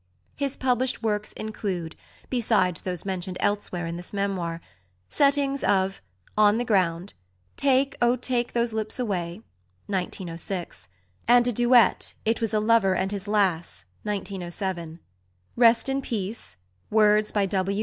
His published works include, besides those mentioned elsewhere in this memoir, settings of "On the Ground," "Take, oh take those lips away" (1906), and a duet, "It was a Lover and his Lass" (1907); "Rest in Peace" (words by W.